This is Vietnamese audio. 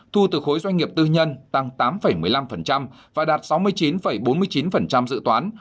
thu từ khối doanh nghiệp tư nhân tăng tám một mươi năm và đạt sáu mươi chín bốn mươi chín dự toán